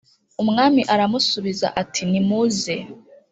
Umwami aramusubiza ati nimuze